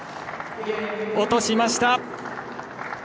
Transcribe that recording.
落としました。